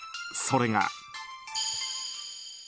それが。